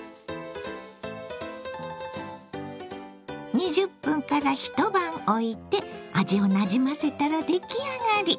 ２０分一晩おいて味をなじませたら出来上がり。